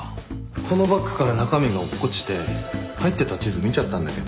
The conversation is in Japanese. このバッグから中身が落っこちて入ってた地図見ちゃったんだけど。